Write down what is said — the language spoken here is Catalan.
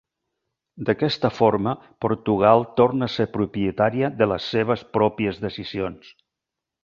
D'aquesta forma Portugal torna a ser propietària de les seves pròpies decisions.